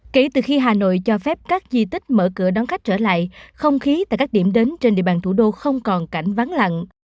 kể từ khi hà nội cho phép các di tích mở cửa đón khách trở lại không khí tại các điểm đến trên địa bàn thủ đô không còn cảnh vắng lặng